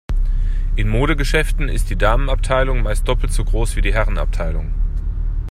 In Modegeschäften ist die Damenabteilung meist doppelt so groß wie die Herrenabteilung.